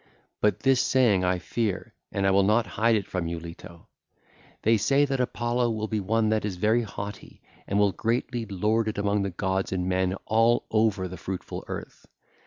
But this saying I fear, and I will not hide it from you, Leto. They say that Apollo will be one that is very haughty and will greatly lord it among gods and men all over the fruitful earth.